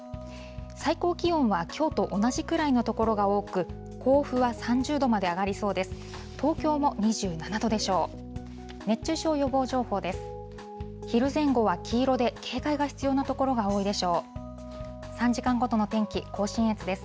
最高気温はきょうと同じぐらいの所が多く、甲府は３０度まで上がりそうです。